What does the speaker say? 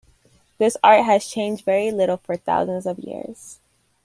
This art has changed very little for thousands of years.